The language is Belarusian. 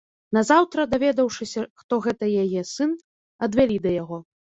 Назаўтра, даведаўшыся, хто гэта яе сын, адвялі да яго.